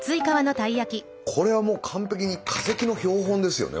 これは完璧に化石の標本ですよね